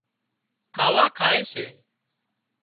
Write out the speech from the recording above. کاوا کائي سي